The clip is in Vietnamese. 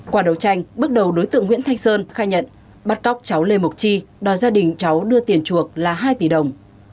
qua đấu tranh bước đầu đối tượng nguyễn thanh sơn khai nhận bắt cóc cháu lê mộc chi đòi gia đình cháu đưa tiền chuộc là hai tỷ đồng